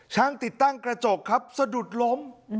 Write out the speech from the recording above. ติดตั้งกระจกครับสะดุดล้ม